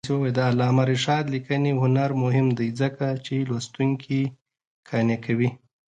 د علامه رشاد لیکنی هنر مهم دی ځکه چې لوستونکي قانع کوي.